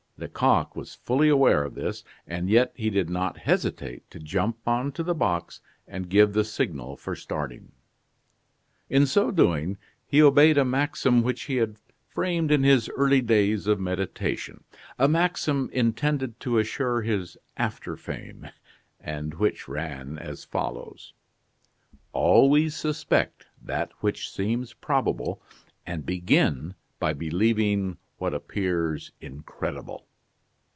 Lecoq was fully aware of this, and yet he did not hesitate to jump on to the box and give the signal for starting. In so doing, he obeyed a maxim which he had framed in his early days of meditation a maxim intended to assure his after fame, and which ran as follows: "Always suspect that which seems probable; and begin by believing what appears incredible."